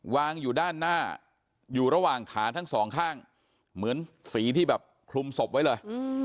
วางอยู่ด้านหน้าอยู่ระหว่างขาทั้งสองข้างเหมือนสีที่แบบคลุมศพไว้เลย